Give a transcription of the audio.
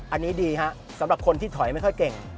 อันนี้ดีฮะสำหรับคนที่ถอยไม่ค่อยเก่ง